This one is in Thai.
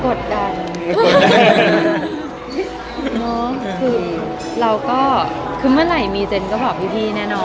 เนาะคือเราก็คือเมื่อไหร่มีเจนก็บอกพี่แน่นอน